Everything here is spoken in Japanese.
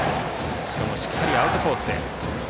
しっかりアウトコースへ。